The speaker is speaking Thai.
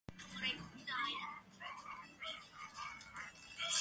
ติดแค่ตารางแน่น